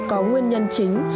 có nguyên nhân chính